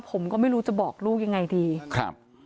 ผมก็ไม่รู้จะบอกลูกอย่างไรดีครับว่า